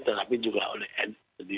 tetapi juga n